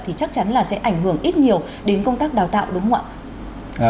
thì chắc chắn là sẽ ảnh hưởng ít nhiều đến công tác đào tạo đúng không ạ